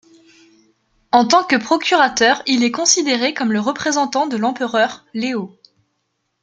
En tant que procurateur, il est considéré comme le représentant de l'empereur Leo.